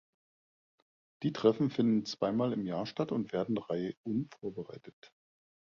Die Treffen finden zweimal im Jahr statt und werden reihum vorbereitet.